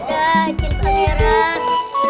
dadah jin pameran